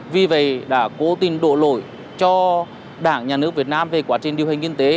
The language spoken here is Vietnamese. vì vậy đã cố tình đổ lỗi cho đảng nhà nước việt nam về quá trình điều hành kinh tế